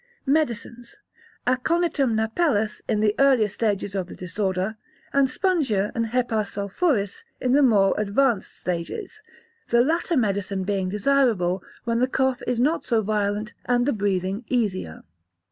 Medicines. Aconitum napellus, in the earlier stages of the disorder, and spongia and Hepar sulphuris, in the more advanced stages, the latter medicine being desirable when the cough is not so violent and the breathing easier.